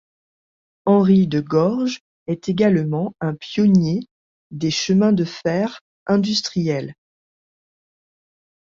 Henri De Gorge est également un pionnier des chemins de fer industriels.